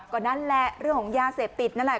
ก็นั่นแหละเรื่องของยาเสพติดนั่นแหละ